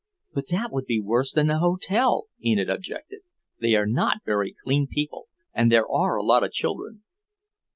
"But that would be worse than the hotel," Enid objected. "They are not very clean people, and there are a lot of children."